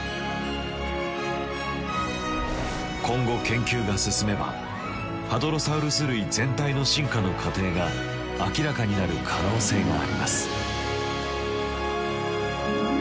今後研究が進めばハドロサウルス類全体の進化の過程が明らかになる可能性があります。